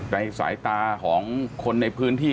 ในสายตาของคนในพื้นที่